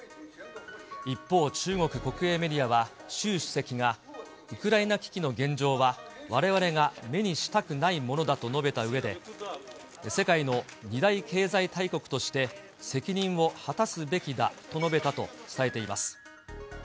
一方、中国国営メディアは、習主席が、ウクライナ危機の現状は、われわれが目にしたくないものだと述べたうえで、世界の２大経済大国として、責任を果たすべきだと述べたと伝えています。